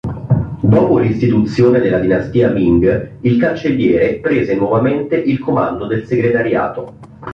Dopo l'istituzione della dinastia Ming, il Cancelliere prese nuovamente il comando del Segretariato.